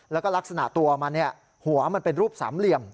แล้วก็ลักษณะตัวมันหัวมันเป็นรูปสามเหลี่ยม